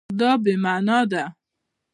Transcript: دا بې مانا ده